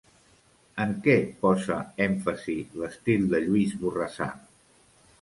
En què posa èmfasi l'estil de Lluís Borrassà?